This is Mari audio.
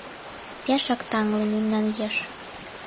Пешак таҥле мемнан еш